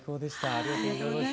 ありがとうございます。